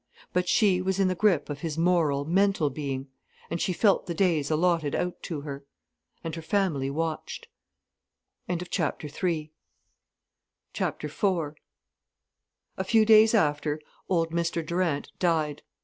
But she was in the grip of his moral, mental being. And she felt the days allotted out to her. And her family watched. IV A few days after, old Mr Durant died.